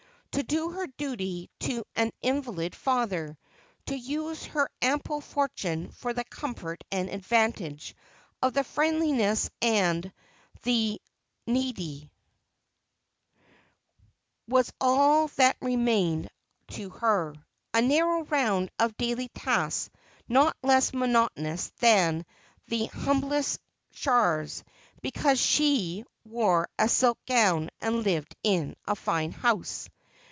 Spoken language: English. To do her duty to an invalid father ; to use her ample fortune for the comfort and advantage of the friendless and the needy, was all that remained to her ; a narrow round of daily tasks not less monotonous than the humblest char's, because she wore a silk gown and lived in a fine house.